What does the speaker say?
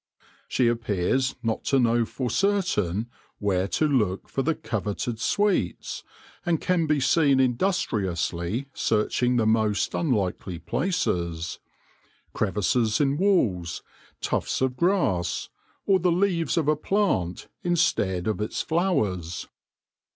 She appears not to know for certain where to look for the coveted sweets, and can be seen industriously search ing the most unlikely places — crevices in walls, tufts of grass, or the leaves of a plant instead of its flowers.